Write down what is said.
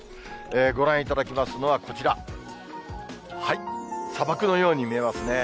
ご覧いただきますのはこちら、砂漠のように見えますね。